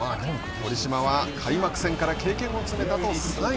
堀島は開幕戦から経験を積めたと３位。